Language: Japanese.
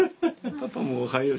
パパもおはよう。